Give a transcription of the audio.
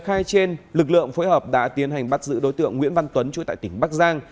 khai trên lực lượng phối hợp đã tiến hành bắt giữ đối tượng nguyễn văn tuấn chú tại tỉnh bắc giang